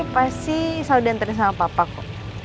pasti selalu diantarin sama papa kok